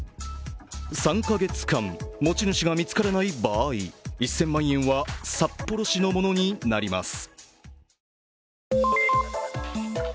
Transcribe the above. ３か月間、持ち主が見つからない場合、１０００万円は札幌市のものになります。